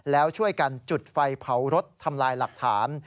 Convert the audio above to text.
แล้วช่วยกันจุดไฟเผารถทำลายหลักฐาน